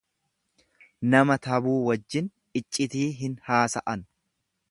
Nama tabuu wajjin iccitii hin haasa’an